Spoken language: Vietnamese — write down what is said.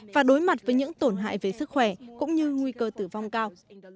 và đối mặt với những tổn hại về sức khỏe cũng như nguy cơ tử vong cao